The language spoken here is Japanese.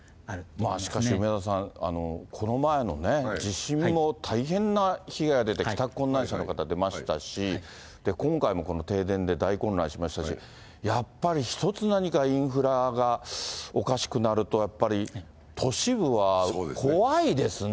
まあしかし、梅沢さん、この前のね、地震も大変な被害が出て、帰宅困難者の方出ましたし、今回もこの停電で大混乱しましたし、やっぱり一つ何かインフラがおかしくなると、やっぱり都市部は怖いですね。